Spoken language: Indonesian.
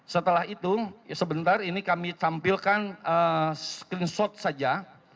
setelah itu sebentar ini kami tampilkan screenshot saja